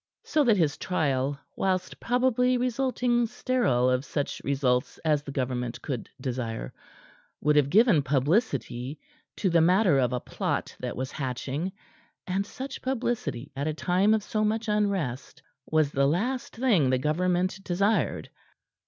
So that his trial, whilst probably resulting sterile of such results as the government could desire, would have given publicity to the matter of a plot that was hatching; and such publicity at a time of so much unrest was the last thing the government desired.